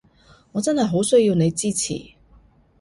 我真係好需要你支持